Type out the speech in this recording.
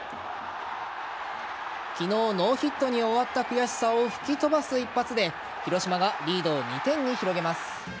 昨日、ノーヒットに終わった悔しさを吹き飛ばす一発で広島がリードを２点に広げます。